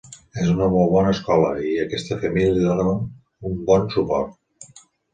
És una molt bona escola, i aquesta família li dóna un bon suport.